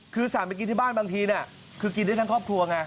คือสั่งไปกินที่บ้านบางทีคือกินได้ทั้งครอบครัวไง